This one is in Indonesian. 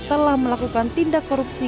setelah melakukan tindak korupsi